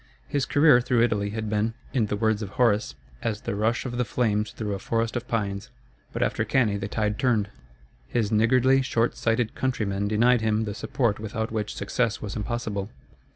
His career through Italy had been, in the words of Horace, as the rush of the flames through a forest of pines. But after Cannæ the tide turned. His niggardly, short sighted countrymen denied him the support without which success was impossible.